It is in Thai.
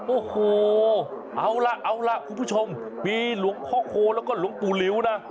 โอ้โหเอาล่ะเอาล่ะคุณผู้ชมมีหลวงพ่อโคแล้วก็หลวงปู่หลิวนะ